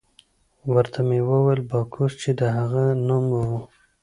ورته ومې ویل: باکوس، چې د هغه نوم وو.